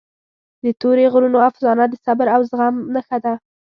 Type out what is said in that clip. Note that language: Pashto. د تورې غرونو افسانه د صبر او زغم نښه ده.